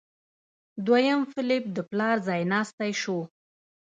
دویم فلیپ د پلار ځایناستی شو.